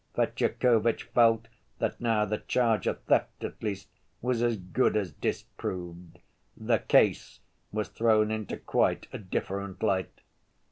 Fetyukovitch felt that now the charge of theft, at least, was as good as disproved. "The case" was thrown into quite a different light.